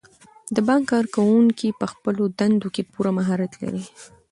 د بانک کارکوونکي په خپلو دندو کې پوره مهارت لري.